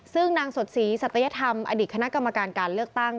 ซึ่งนางสดศรีสัตยธรรมอดีตคณะกรรมการการเลือกตั้ง